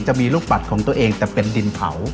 จะมีลูกปัดของตัวเองแต่เป็นดินเผา